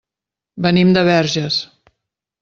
Venim de Verges.